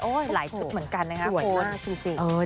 โอ้ยหลายชุดเหมือนกันนะครับคุณจริงสวยมาก